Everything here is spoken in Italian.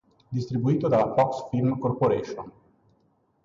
Distribuito dalla Fox Film Corporation.